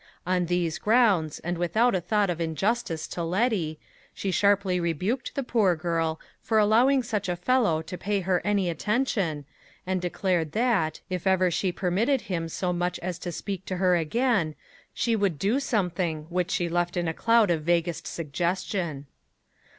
On these grounds, and without a thought of injustice to Letty, she sharply rebuked the poor girl for allowing such a fellow to pay her any attention, and declared that, if ever she permitted him so much as to speak to her again, she would do something which she left in a cloud of vaguest suggestion.